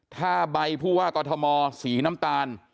ถ้าใบผู้ว่ากอทมสีน้ำตาล